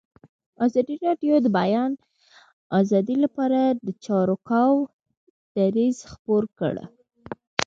ازادي راډیو د د بیان آزادي لپاره د چارواکو دریځ خپور کړی.